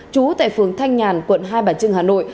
trú tại phường thanh nhàn quận hai bà trưng hà nội